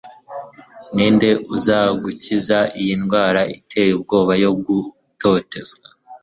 ninde uzagukiza iyi ndwara iteye ubwoba yo gutotezwa